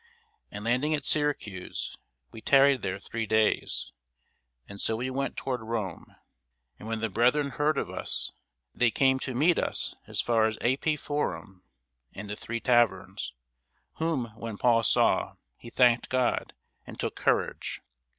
And landing at Syracuse, we tarried there three days: and so we went toward Rome. And when the brethren heard of us, they came to meet us as far as Appii forum, and the Three Taverns: whom when Paul saw, he thanked God, and took courage.